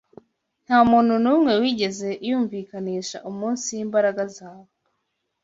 ntamuntu numwe wigeze yumvikanisha munsi yimbaraga zawe